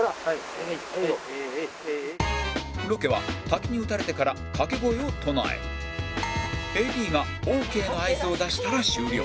ロケは滝に打たれてから掛け声を唱え ＡＤ がオーケーの合図を出したら終了